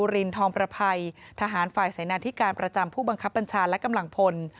รินทองประภัยทหารฝ่ายเสนาธิการประจำผู้บังคับบัญชาและกำลังพล